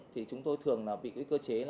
thì chúng tôi thường bị cơ chế